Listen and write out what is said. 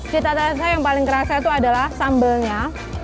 cita cita saya yang paling kerasa itu adalah sambalnya